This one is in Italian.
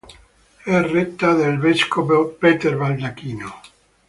È retta dal vescovo Peter Baldacchino.